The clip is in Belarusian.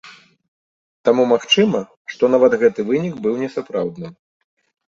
Таму магчыма, што нават гэты вынік быў несапраўдным.